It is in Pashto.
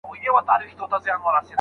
لیکنه د املا ګټه ده.